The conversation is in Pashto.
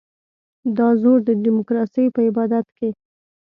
دا زور د ډیموکراسۍ په عبادت کې.